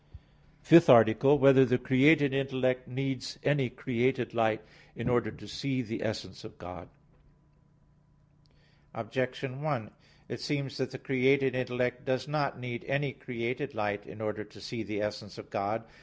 _______________________ FIFTH ARTICLE [I, Q. 12, Art. 5] Whether the Created Intellect Needs Any Created Light in Order to See the Essence of God? Objection 1: It seems that the created intellect does not need any created light in order to see the essence of God.